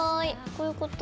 こういうこと？